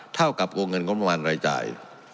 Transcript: เท่ากับวงเงินงบประมาณรายจ่าย